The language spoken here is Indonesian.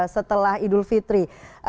setelah idul fitri